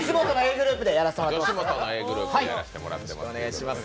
ｇｒｏｕｐでやらせてもらってます。